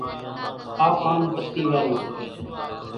آ پانَ پتِي وارون سي۔